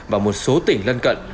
và một số tỉnh lân cận